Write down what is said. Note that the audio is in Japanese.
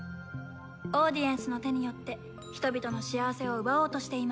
オーディエンスの手によって人々の幸せを奪おうとしていました